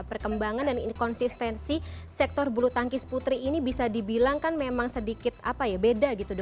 perkembangan dan konsistensi sektor bulu tangkis putri ini bisa dibilang kan memang sedikit apa ya beda gitu